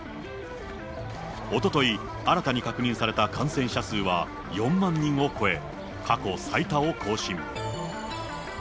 おととい、新たに確認された感染者数は４万人を超え、過去最多を更新。